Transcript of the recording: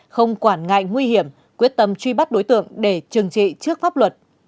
không quản ngại nguy hiểm quyết tâm truy bắt đối tượng để trừng trị trước pháp luật